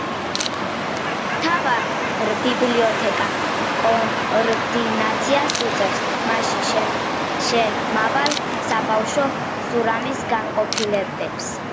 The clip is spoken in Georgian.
მთავარ ბიბლიოთეკა კოორდინაციას უწევს მასში შემავალ საბავშვო და სურამის განყოფილებებს.